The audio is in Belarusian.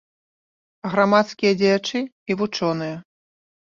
Грамадскія дзеячы і вучоныя.